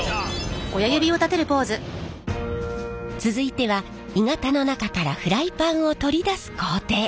続いては鋳型の中からフライパンを取り出す工程。